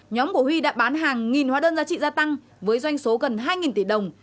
nhóm của huy đã bán hàng nghìn hóa đơn giá trị gia tăng với doanh số gần hai tỷ đồng